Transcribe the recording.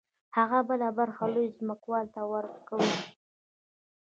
هغه بله برخه لوی ځمکوال ته ورکوي